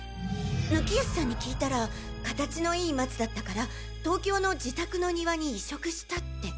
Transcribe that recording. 貫康さんに聞いたら形のいい松だったから東京の自宅の庭に移植したって。